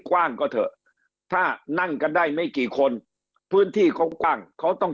กว้างก็เถอะถ้านั่งกันได้ไม่กี่คนพื้นที่เขากว้างเขาต้อง